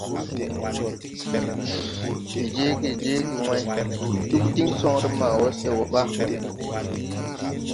De jeege, jeege Way: Ɗug diŋ soŋre ma wo se wo ɓa?